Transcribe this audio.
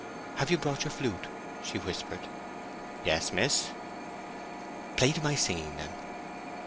"Have you brought your flute?" she whispered. "Yes, miss." "Play to my singing, then."